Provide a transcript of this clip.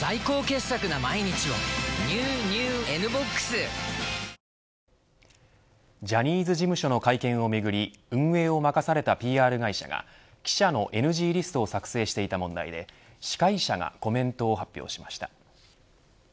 味で選べば「ＦＩＲＥＯＮＥＤＡＹ」ジャニーズ事務所の会見をめぐり運営を任されたＰＲ会社が記者のＮＧリストを作成していた問題で司会者がコメントを発表しました。